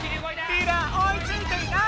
リラおいついていない！